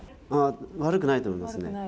悪くないと思いますね。